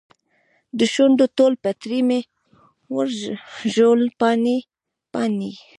دشونډو ټول پتري مې ورژول پاڼې ، پاڼې